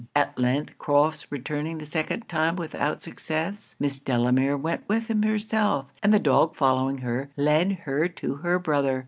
At length Crofts returning the second time without success, Miss Delamere went with him herself; and the dog following her, led her to her brother.